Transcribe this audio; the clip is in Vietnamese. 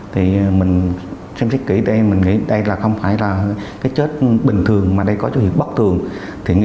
thì mình xem xích kỹ đây mình nghĩ đây là không phải là cái chết bình thường mà đây có chữ hiệu bất thường